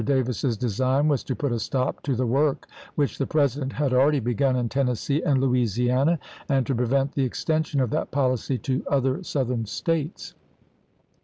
Davis's design was to put a stop to the work which the President had already begun in Tennessee and Louisiana, and to prevent the extension of that policy to other Southern States.